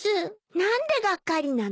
何でがっかりなの？